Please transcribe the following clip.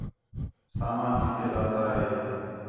سامان کِتے لاتھا ہے